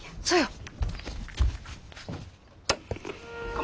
そや！